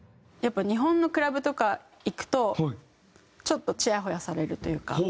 やっぱ日本のクラブとか行くとちょっとちやほやされるというか。